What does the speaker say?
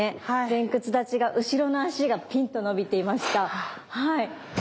前屈立ちが後ろの足がピンと伸びていましたはい。